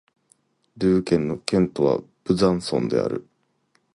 ドゥー県の県都はブザンソンである